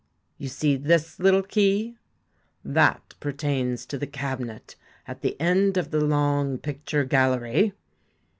You see this little key ? that pertains to the cabinet at the end of the long picture gallery.